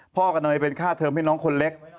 พ่อกับเนยเป็นค่าเทิมให้น้องคนเล็ก